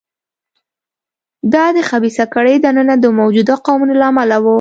دا د خبیثه کړۍ دننه د موجوده قوتونو له امله و.